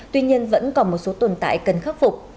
tuy nhiên vẫn còn một số tồn tại cần khắc phục